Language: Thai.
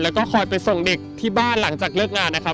แล้วก็คอยไปส่งเด็กที่บ้านหลังจากเลิกงานนะครับ